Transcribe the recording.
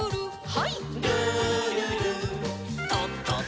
はい。